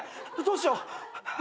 どうしよう。